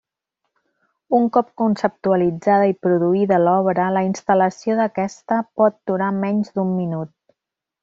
Un cop conceptualitzada i produïda l'obra, la instal·lació d'aquesta pot durar menys d'un minut.